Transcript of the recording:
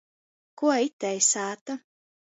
Kuo itei sāta?